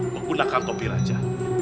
menggunakan topi raja